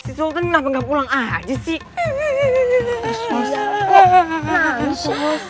si sultan kenapa gak pulang aja sih